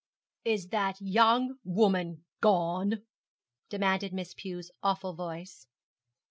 'Is that young woman gone?' demanded Miss Pew's awful voice.